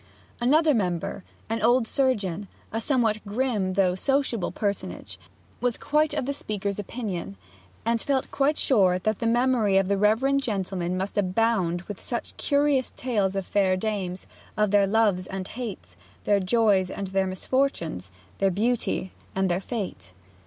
Another member, an old surgeon, a somewhat grim though sociable personage, was quite of the speaker's opinion, and felt quite sure that the memory of the reverend gentleman must abound with such curious tales of fair dames, of their loves and hates, their joys and their misfortunes, their beauty and their fate.